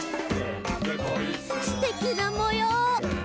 「すてきなもよう！」